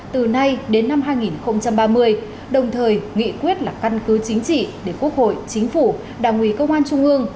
từ nay đến năm hai nghìn ba mươi đồng thời nghị quyết là căn cứ chính trị để quốc hội chính phủ đảng ủy công an trung ương